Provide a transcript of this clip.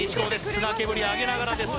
砂煙上げながらです